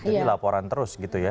jadi laporan terus gitu ya